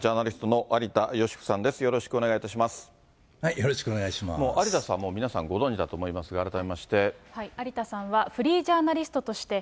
もう有田さん、皆さんご存じだと思いますが、改めまして。